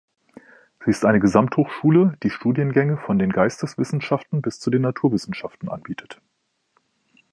Sie ist eine Gesamthochschule, die Studiengänge von den Geisteswissenschaften bis zu den Naturwissenschaften anbietet.